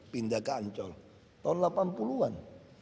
pindah ke ancol tahun delapan puluh an